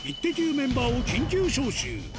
メンバーを緊急招集。